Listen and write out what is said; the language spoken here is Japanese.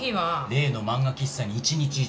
例の漫画喫茶に一日中？